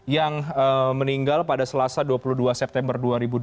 yang meninggal pada selasa dua puluh dua september dua ribu dua puluh